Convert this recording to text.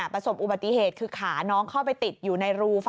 ประสบอุบัติเหตุคือขาน้องเข้าไปติดอยู่ในรูฝา